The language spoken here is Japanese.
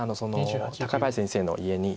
高林先生の家に。